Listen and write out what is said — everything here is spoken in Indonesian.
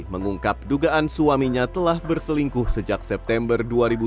mengungkap dugaan suaminya telah berselingkuh sejak september dua ribu dua puluh